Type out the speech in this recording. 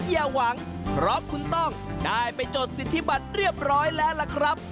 อย่าหวังเพราะคุณต้องได้ไปจดสิทธิบัตรเรียบร้อยแล้วล่ะครับ